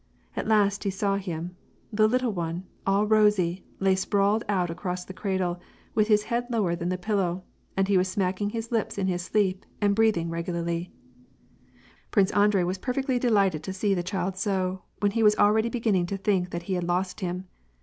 At last he saw him. The little one, all rosy, lay sprawled out across the cradle, with his head lower than the pillow, and was smacking his lips in his sleep and breathing regularly Prince Andrei was perfectly delighted to see the child so, when he was already beginning to think that he had lost him.